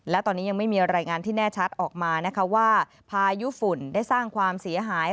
และตอนนี้ยังไม่มีรายงานที่แน่ชัดออกมานะคะว่าพายุฝุ่นได้สร้างความเสียหาย